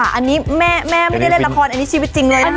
อันนี้แม่ไม่ได้เล่นละครอันนี้ชีวิตจริงเลยนะคะ